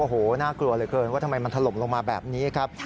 โอ้โหน่ากลัวเหลือเกินว่าทำไมมันถล่มลงมาแบบนี้ครับ